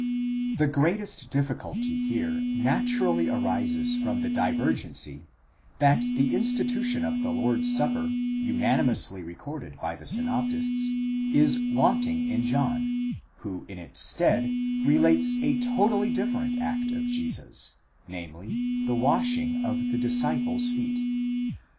The greatest difficulty here naturally arises from the divergency, that the institution of the Lord's supper, unanimously recorded by the synoptists, is wanting in John, who in its stead relates a totally different act of Jesus, namely, the washing of the disciples' feet.